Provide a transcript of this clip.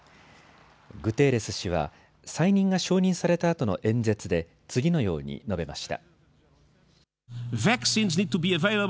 グテーレス氏は再任が承認されたあとの演説で次のように述べました。